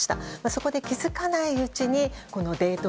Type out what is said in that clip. そこで気づかないうちにデート